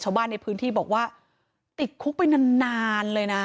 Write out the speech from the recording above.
ชาวบ้านในพื้นที่บอกว่าติดคุกไปนานนานเลยนะ